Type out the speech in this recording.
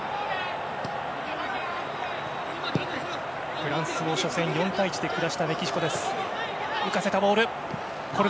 フランスを、初戦４対１で崩したメキシコです。